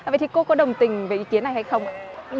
vậy thì cô có đồng tình với ý kiến này hay không ạ